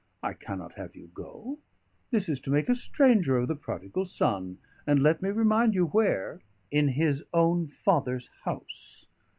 I cannot have you go: this is to make a stranger of the prodigal son; and let me remind you where in his own father's house!